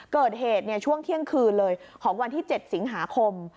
เกิดเหตุช่วงเที่ยงคืนเลยของวันที่๗สิงหาคม